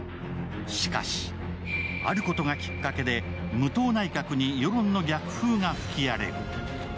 しかし、あることがきっかけで武藤内閣に世論の逆風が吹き荒れる。